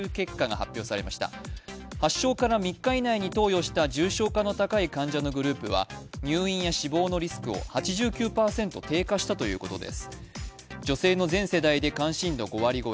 発症から３日以内に投与した重症化のリスクが高いグループは入院や死亡のリスクを８９％低下したということです。